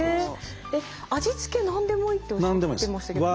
味付け何でもいいっておっしゃってましたけど。